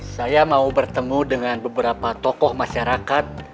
saya mau bertemu dengan beberapa tokoh masyarakat